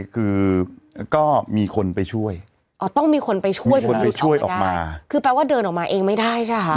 คือก็มีคนไปช่วยอ๋อต้องมีคนไปช่วยคนไปช่วยออกมาคือแปลว่าเดินออกมาเองไม่ได้ใช่ค่ะ